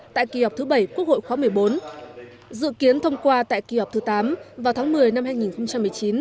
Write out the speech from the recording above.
tại kỳ họp thứ bảy quốc hội khóa một mươi bốn dự kiến thông qua tại kỳ họp thứ tám vào tháng một mươi năm hai nghìn một mươi chín